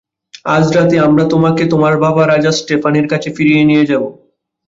আজ রাতে, আমরা তোমাকে তোমার বাবা, রাজা স্টেফানের কাছে ফিরিয়ে নিয়ে যাবো।